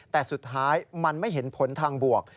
แต่สุดท้ายมันไม่เห็นผลทางบวก